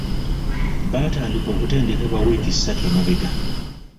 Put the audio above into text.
Baatandika okutendekebwa wiiki ssatu emabega.